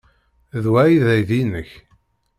D wa ay d aydi-nnek?